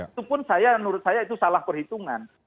itu pun saya menurut saya itu salah perhitungan